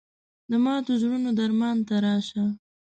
د ماتو زړونو درمان ته راشه